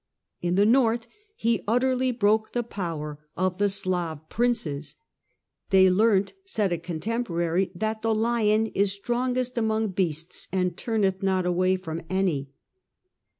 In the north he utterly broke the power of the Slav princes. They learnt, said a contemporary, that "the * lion ' is strongest among beasts and turneth not away from any."